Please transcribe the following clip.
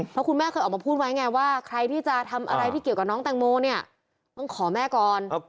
เพราะคุณแม่เคยออกมาพูดไว้ไงว่าใครที่จะทำอะไรที่เกี่ยวกับน้องแตงโมเนี่ยต้องขอแม่ก่อน